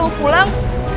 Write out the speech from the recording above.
jadi pas kamu pulang